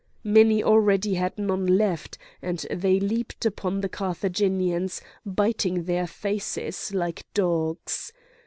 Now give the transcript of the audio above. Many already had none left, and they leaped upon the Carthaginians, biting their faces like dogs.